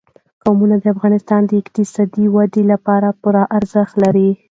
قومونه د افغانستان د اقتصادي ودې لپاره پوره ارزښت لري.